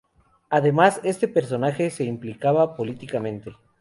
Además, este personaje se implicaba políticamente.